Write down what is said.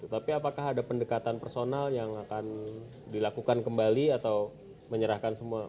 tapi apakah ada pendekatan personal yang akan dilakukan kembali atau menyerahkan semua